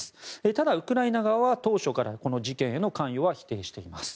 ただ、ウクライナ側は当初から、この事件への関与は否定しています。